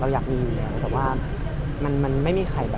ทุกผลงานของผมรวมไปถึงการใช้ชีวิตด้วย